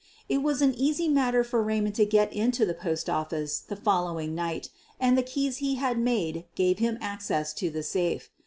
It was an easy matter for Raymond to get into the post office the following night, and the keys he had made gave him access to the safe.